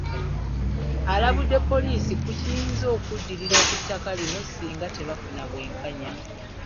Alabudde poliisi ku kiyinza okuddirira ku ttaka lino singa tebafuna bwenkanya